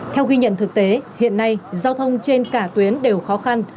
theo ghi nhận thực tế hiện nay giao thông trên cả tuyến đều khó khăn